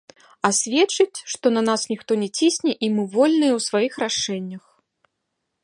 А сведчыць, што на нас ніхто не цісне і мы вольныя ў сваіх рашэннях.